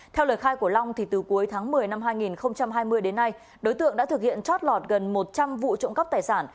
theo lời khai của long từ cuối tháng một mươi năm hai nghìn hai mươi đến nay đối tượng đã thực hiện chót lọt gần một trăm linh vụ trộm cắp tài sản